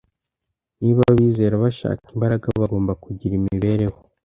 Niba abizera bashaka imbaraga, bagomba kugira imibereho